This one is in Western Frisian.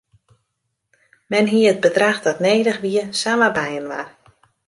Men hie it bedrach dat nedich wie samar byinoar.